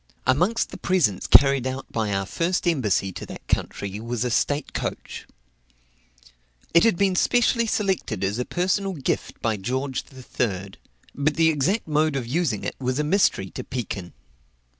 Amongst the presents carried out by our first embassy to that country was a state coach. It had been specially selected as a personal gift by George III.; but the exact mode of using it was a mystery to Pekin.